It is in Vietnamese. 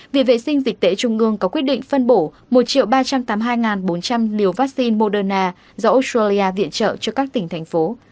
viện vệ sinh dịch tễ trung ương có quyết định phân bổ một ba trăm tám mươi hai bốn trăm linh liều vaccine moderna do australia viện trợ cho các tỉnh thành phố